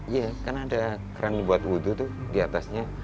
iya karena ada keran buat wudhu tuh diatasnya